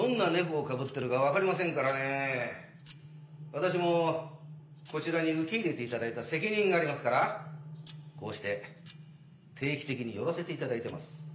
私もこちらに受け入れて頂いた責任がありますからこうして定期的に寄らせて頂いてます。